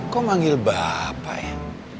kok manggil bapak ya